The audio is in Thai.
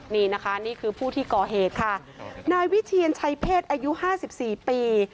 นี่นะคะนี่คือผู้ที่ก่อเหตุค่ะนายวิเชียนชัยเพศอายุ๕๔ปี